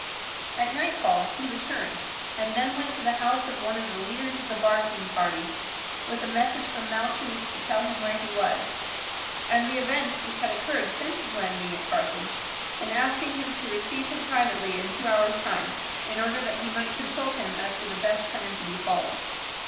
At nightfall he returned, and then went to the house of one of the leaders of the Barcine party with a message from Malchus to tell him where he was, and the events which had occurred since his landing at Carthage, and asking him to receive him privately in two hours' time, in order that he might consult him as to the best plan to be followed.